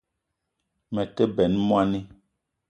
Me te benn moni